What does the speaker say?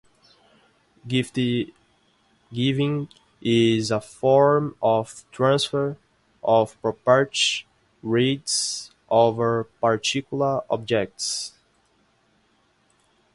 Gift-giving is a form of transfer of property rights over particular objects.